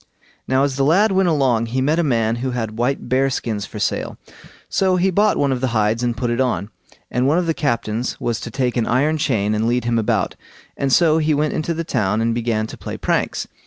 Now as the lad went along he met a man who had white bear skins for sale, so he bought one of the hides and put it on; and one of the captains was to take an iron chain and lead him about, and so he went into the town and began to play pranks.